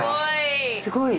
すごい。